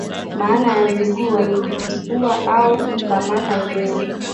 Maana ya Zigua ni kuchukua au kukamata eneo